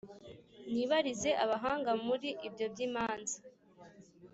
nibarize abahanga muri ibyo by’imanza